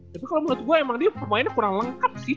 tapi kalau menurut gue emang dia pemainnya kurang lengkap sih